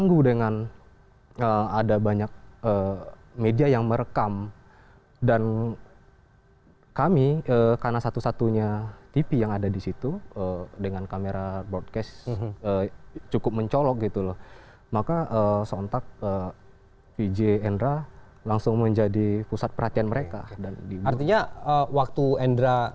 jurnalis jurnalis indonesia tv dipaksa menghapus gambar yang sempat terjadi di lokasi acara